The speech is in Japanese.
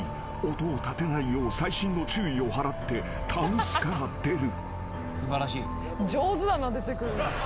音を立てないよう細心の注意を払ってたんすから出る］